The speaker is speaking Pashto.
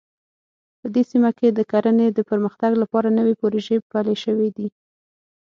په دې سیمه کې د کرنې د پرمختګ لپاره نوې پروژې پلې شوې دي